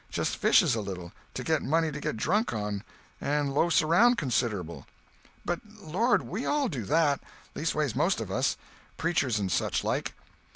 Just fishes a little, to get money to get drunk on—and loafs around considerable; but lord, we all do that—leastways most of us—preachers and such like.